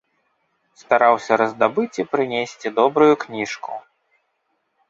Стараўся раздабыць і прынесці добрую кніжку.